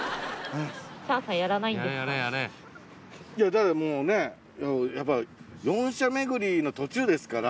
だってもうねやっぱ四社巡りの途中ですから。